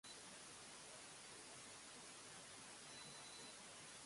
一ページ、一ページ、丁寧にページを確かめていく